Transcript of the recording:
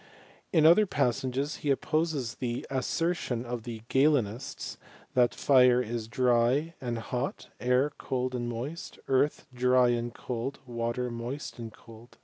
In other passages he opposes the assertion of the Gralenists, that^re is dry and hot, air cold and moist, earth dry and cold, water moist and cold.